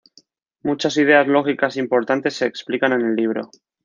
Muchas ideas lógicas importantes se explican en el libro.